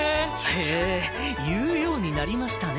へえ言うようになりましたね